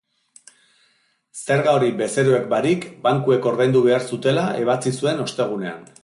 Zerga hori bezeroek barik bankuek ordaindu behar zutela ebatzi zuen ostegunean.